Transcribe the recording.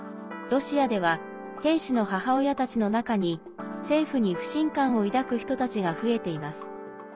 ロシアでは兵士の母親たちの中に政府に不信感を抱く人たちが増えています。